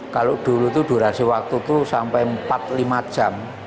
kalau dulu itu durasi waktu itu sampai empat lima jam